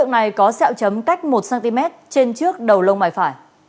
nó có xeo chấm cách một cm trên trước đầu lông mải phải